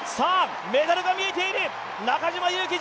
メダルが見えている、中島佑気